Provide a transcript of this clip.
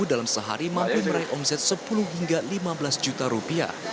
dalam sehari mampu meraih omset sepuluh hingga lima belas juta rupiah